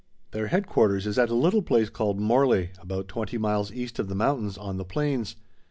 Their headquarters is at a little place called Morley, about twenty miles east of the mountains on the plains.